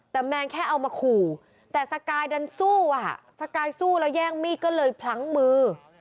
แต่แมนแค่เอามาขู่แต่สกายดันสู้อ่ะสกายสู้แล้วแย่งมีดก็เลยพลั้งมือ